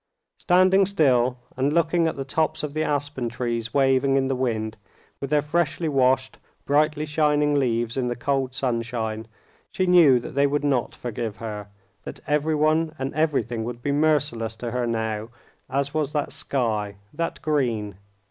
Standing still, and looking at the tops of the aspen trees waving in the wind, with their freshly washed, brightly shining leaves in the cold sunshine, she knew that they would not forgive her, that everyone and everything would be merciless to her now as was that sky, that green.